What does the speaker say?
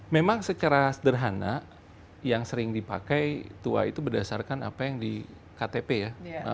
memang secara sederhana yang sering dipakai tua itu berdasarkan apa yang di ktp ya